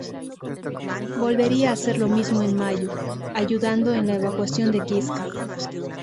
Volvería a hacer lo mismo en mayo, ayudando en la evacuación de Kiska.